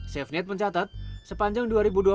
safenet mencatat sepanjang dua ribu dua puluh